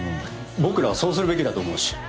僕らはそうするべきだと思うし。